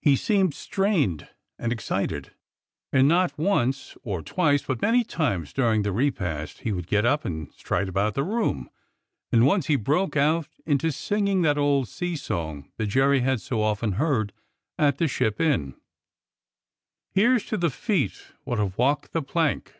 He seemed strained and excited, and not once or twice, but many times during the re past, he would get up and stride about the room, and once he broke out into singing that old sea song that Jerry had so often heard at the Ship Inn :Here's to the feet wot have walked the plank.